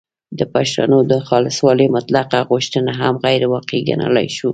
د پښتو د خالصوالي مطلقه غوښتنه هم غیرواقعي ګڼلای شو